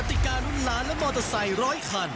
ติการุ้นล้านและมอเตอร์ไซค์ร้อยคัน